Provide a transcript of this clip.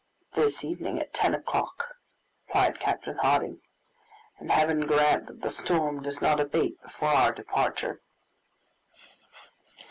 "This evening, at ten o'clock," replied Captain Harding; "and Heaven grant that the storm does not abate before our departure."